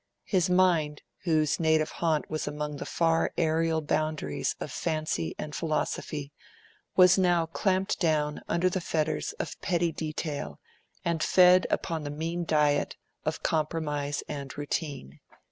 His mind, whose native haunt was among the far aerial boundaries of fancy and philosophy, was now clamped down under the fetters of petty detail and fed upon the mean diet of compromise and routine.